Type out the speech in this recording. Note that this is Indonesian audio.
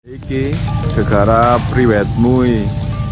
ini kegaraan pribadi saya